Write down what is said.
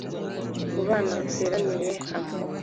Ku bana bateraniye hamwe